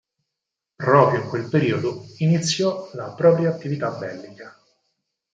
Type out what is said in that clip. Proprio in quel periodo iniziò la propria attività bellica.